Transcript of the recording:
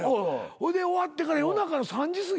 ほいで終わってから夜中の３時すぎ